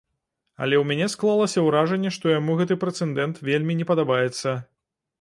Але ў мяне склалася ўражанне, што яму гэты прэцэдэнт вельмі не падабаецца.